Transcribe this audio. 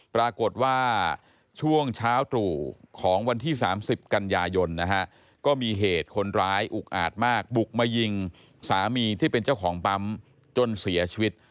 ปรากฏว่าช่วงเช้าตรู่ของวันที่๓๐กันยายนนะฮะก็มีเหตุคนร้ายอุกอาจมากบุกมายิงสามีที่เป็นเจ้าของปั๊มจนเสียชีวิต